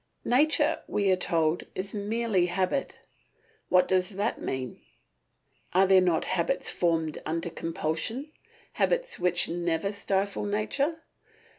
Nature, we are told, is merely habit. What does that mean? Are there not habits formed under compulsion, habits which never stifle nature?